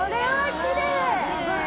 きれーい。